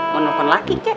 mau telepon laki kek